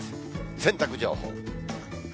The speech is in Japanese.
洗濯情報。